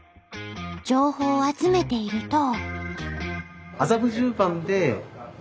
情報を集めていると。